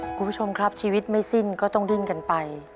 คุณผู้ชมครับชีวิตไม่สิ้นก็ต้องดิ้นกันไป